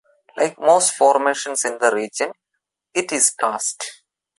Like most formations in the region, it is karst.